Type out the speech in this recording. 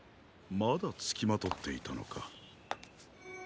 まだつきまとっていたのか。